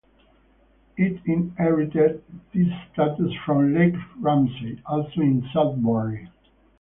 It inherited this status from Lake Ramsey, also in Sudbury.